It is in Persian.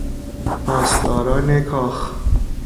پاسداران کاخ